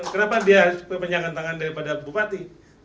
kenapa dia pemenangan tangan daripada bupati